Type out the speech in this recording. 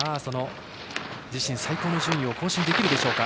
自身最高の順位を更新できるか。